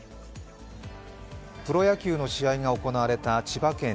プロ野球の試合が行われた千葉県ＺＯＺＯ